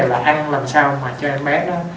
là ăn làm sao mà cho em bé nó